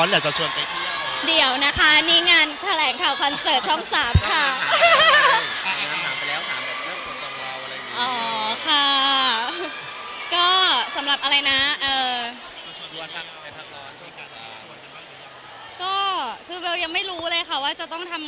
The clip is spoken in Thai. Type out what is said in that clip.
เดี๋ยวนะคะนี่งานแถลงข่าวคอนเสิร์ตช่อง๓ครับ